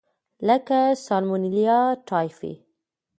لکه سالمونیلا ټایفي.